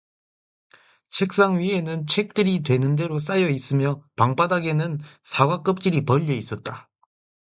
책상 위에는 책들이 되는 대로 쌓여 있 으며 방바닥에는 사과껍질이 벌여 있었다.